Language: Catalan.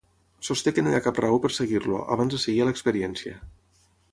Sosté que no hi ha cap raó per seguir-lo, abans de seguir a l'experiència.